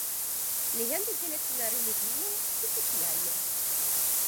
Легенды дзеляць на рэлігійныя і сацыяльныя.